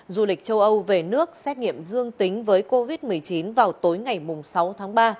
du lịch châu âu về nước xét nghiệm dương tính với covid một mươi chín vào tối ngày sáu tháng ba